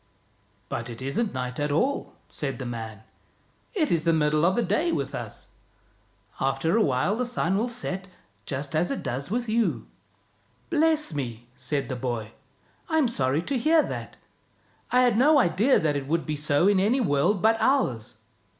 " But it isn't night at all," said the man. " It is the middle of the day with us. After a while the sun will set, just as it does with you." " Bless me! " said the boy. "I'm sorry to hear that. I had no idea that it would be so in any world but ours.